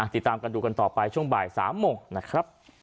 ติดตามกันดูกันต่อไปช่วงบ่าย๓โมงนะครับ